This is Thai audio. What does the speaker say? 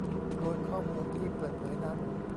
โดยข้อมูลที่เปิดเผยนั้น